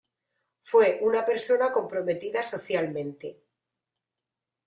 Fue una persona comprometida socialmente.